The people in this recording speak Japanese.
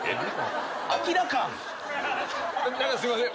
何かすいません。